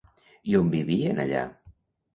I on vivien allà?